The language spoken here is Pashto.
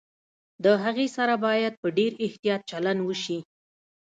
د هغې سره باید په ډېر احتياط چلند وشي